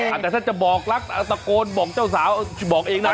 อาจจะบอกรักอัตโกนบอกเจ้าสาวบอกเองนะ